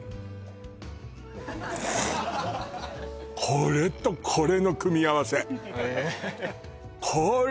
これとこれの組み合わせ